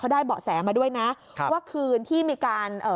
ได้เบาะแสมาด้วยนะครับว่าคืนที่มีการเอ่อ